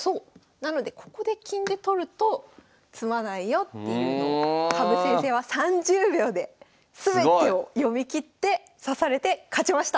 なのでここで金で取ると詰まないよっていうのを羽生先生は３０秒で全てを読みきって指されて勝ちました。